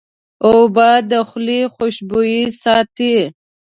اوبه د خولې خوشبویي ساتي.